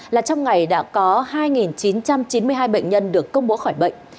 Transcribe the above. là trong ngày đã có hai chín trăm chín mươi hai bệnh nhân được công bố khỏi bệnh